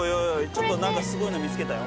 ちょっとなんかすごいの見つけたよ。